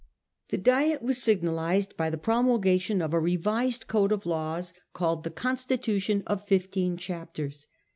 * The Diet was signalised by the promulgation of a revised code of laws, called the Constitution of Fifteen Chapters.